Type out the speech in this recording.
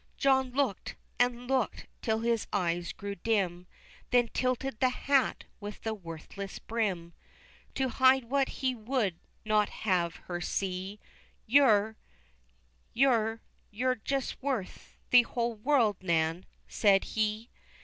John looked, and looked, till his eyes grew dim, Then tilted the hat with the worthless brim, To hide what he would not have her see, "You're you're just worth the whole world, Nan," said he.